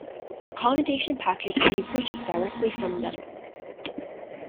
Accommodation package can be purchased directly from them.